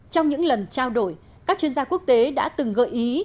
trong những lần trao đổi các chuyên gia quốc tế đã từng gợi ý